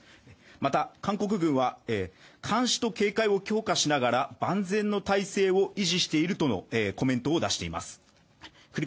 また、韓国軍は監視と警戒を強化しながら万全の体制を維持しているとのコメントを出しています。